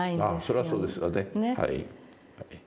それはそうですよねはい。